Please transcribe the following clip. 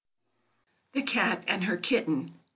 THE CAT AND HER KITTEN.